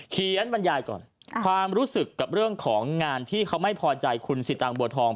บรรยายก่อนความรู้สึกกับเรื่องของงานที่เขาไม่พอใจคุณสิตางบัวทอง